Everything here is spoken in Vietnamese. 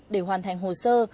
để hoàn thành hồ sơ